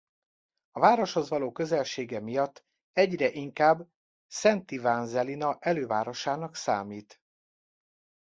A városhoz való közelsége miatt egyre inkább Szentivánzelina elővárosának számít.